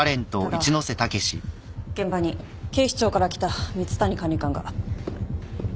ただ現場に警視庁から来た蜜谷管理官が。